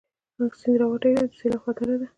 سيند راوتی دی، د سېلاب خطره ده